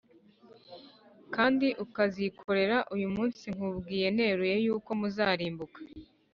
kandi ukazikorera, uyu munsi nkubwiye neruye yuko muzarimbuka